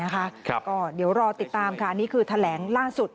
ก็เดี๋ยวรอติดตามค่ะอันนี้คือแถลงล่าสุด